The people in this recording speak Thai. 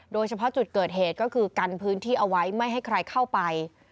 โดยเฉพาะจุดเกิดเหตุก็คือกันพื้นที่เอาไว้ไม่ให้ใครเข้าไป